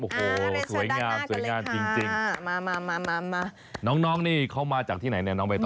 โอ้โหเป็นเสด็จหน้ากันเลยค่ะสวยงามสวยงามจริงมาน้องนี่เขามาจากที่ไหนเนี่ยน้องไปต่อ